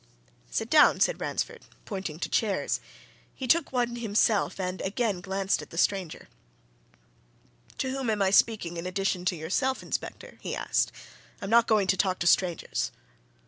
"Sit down," said Ransford, pointing to chairs. He took one himself and again glanced at the stranger. "To whom am I speaking, in addition to yourself, Inspector?" he asked. "I'm not going to talk to strangers."